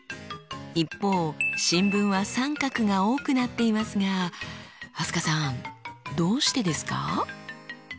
一方新聞は△が多くなっていますが飛鳥さんどうしてですか？